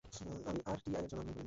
আমি আরটিআই-এর জন্য আবেদন করিনি।